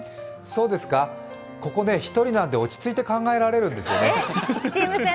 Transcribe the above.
そうですか、ここね、１人なので落ち着いて考えられるんですよね。